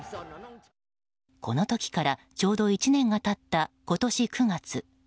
この時からちょうど１年が経った今年９月。